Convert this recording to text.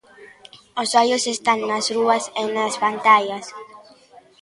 Os ollos están nas rúas e nas pantallas.